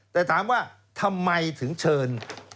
แต่ถามว่าทำไมถึงเชิญ